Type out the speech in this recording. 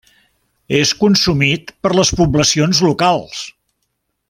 És consumit per les poblacions locals.